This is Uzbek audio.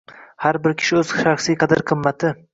har bir kishi o‘z shaxsiy qadr-qimmati